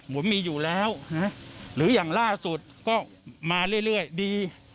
มีอยู่แล้วหรืออย่างล่าสุดก็มาเรื่อยดี